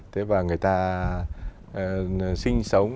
thế và người ta sinh sống